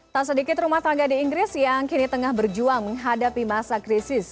tak sedikit rumah tangga di inggris yang kini tengah berjuang menghadapi masa krisis